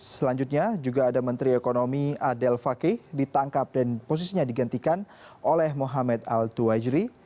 selanjutnya juga ada menteri ekonomi adel fakih ditangkap dan posisinya digantikan oleh muhammad al tuwajri